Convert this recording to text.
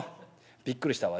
びっくりしたわ。